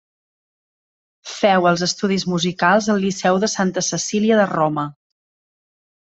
Feu els estudis musicals al Liceu de Santa Cecília de Roma.